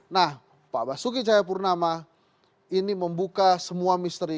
nah pak basuki cahayapurnama ini membuka semua misteri